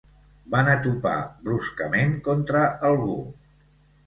Van a topar bruscament contra algú.